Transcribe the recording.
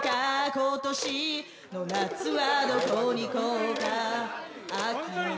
今年の夏はどこに行こうか？